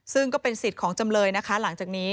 ซึ่งก็เป็นสิทธิ์ของจำเลยนะคะหลังจากนี้